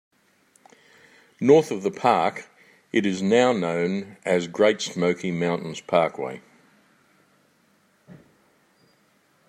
North of the park, it is now known as Great Smoky Mountains Parkway.